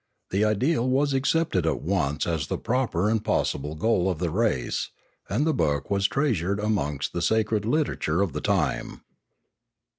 The ideal was accepted at once as the proper and possible goal of the race, and the book was treasured amongst the sacred literature of the time.